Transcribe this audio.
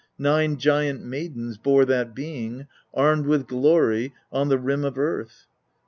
Nine giant maidens bore that being armed with glory on the rim of earth.